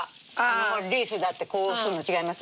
リースだってこうするん違います？